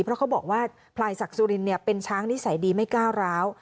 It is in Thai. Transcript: เพราะเขาบอกว่าพลายศักดิ์สุรินเป็นช้างนิสัยดีไม่ก้าวร้าว